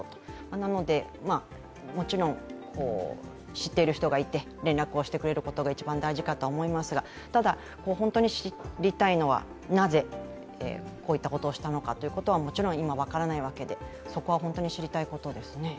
なので、もちろん、知っている人がいて連絡をしてくれることが一番大事だとは思いますがただ、本当に知りたいのは、なぜこういったことをしたのかは、もちろん今分からないわけで、そこは本当に知りたいことですね。